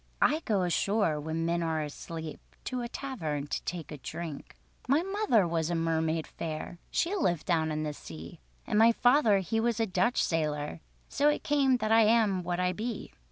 I go ashore when men are asleep To a tavern to take a drink. "My mother was a mermaid fair, She lived down in the sea; And my father he was a Dutch sailór, So it came that I am what I be.